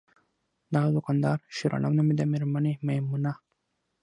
دغه دوکاندار شیرعالم نومیده، میرمن یې میمونه!